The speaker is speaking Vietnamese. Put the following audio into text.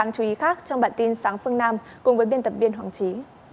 các tin tức đáng chú ý khác trong bản tin sáng phương nam cùng với biên tập viên hoàng trí